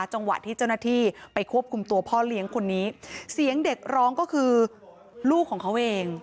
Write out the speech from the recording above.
จังหวะที่เจ้าหน้าที่ไปควบคุมตัวพ่อเลี้ยงคนนี้เสียงเด็กร้องก็คือลูกของเขาเอง